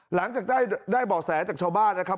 หลังจากได้บ่อแสจากชาวบ้านนะครับ